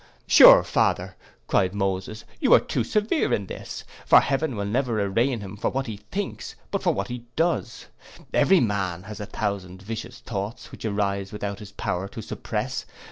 'Sure, father,' cried Moses, 'you are too severe in this; for heaven will never arraign him for what he thinks, but for what he does. Every man has a thousand vicious thoughts, which arise without his power to suppress.